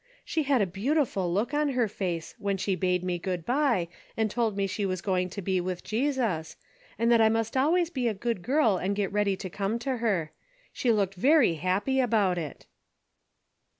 She had a beau tiful look on her face, when she bade me good bye, and told me she was going to be with Jesus, and that I must always be a good girl and get ready to come to her. She looked very happy about it."